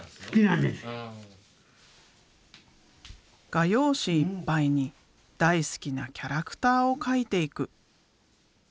画用紙いっぱいに大好きなキャラクターを描いていく。